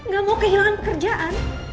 gak mau kehilangan pekerjaan